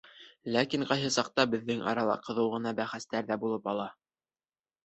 Ләкин ҡайһы саҡта беҙҙең арала ҡыҙыу ғына бәхәстәр ҙә булып ала.